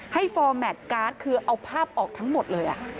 ฟอร์แมทการ์ดคือเอาภาพออกทั้งหมดเลย